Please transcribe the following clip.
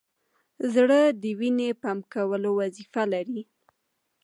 زړه د وینې پمپ کولو وظیفه لري.